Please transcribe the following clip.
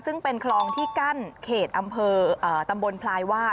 ซึ่งเป็นคลองที่กั้นเขตอำเภอตำบลพลายวาด